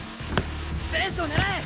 スペースを狙え！